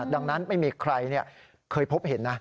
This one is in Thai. ดังนั้นไม่มีใครเคยพบเห็นนะ